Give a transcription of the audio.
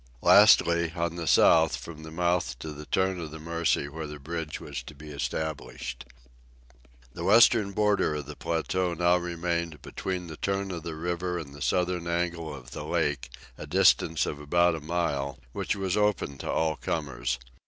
Lastly, on the south, from the mouth to the turn of the Mercy where the bridge was to be established. The western border of the plateau now remained between the turn of the river and the southern angle of the lake, a distance of about a mile, which was open to all comers.